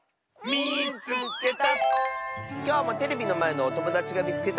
「みいつけた！」。